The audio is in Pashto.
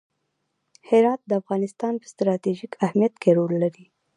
هرات د افغانستان په ستراتیژیک اهمیت کې رول لري.